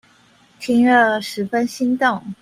聽了十分心動